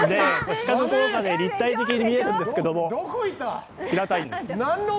視覚のせいで立体的に見えるんですけど、平たいんです。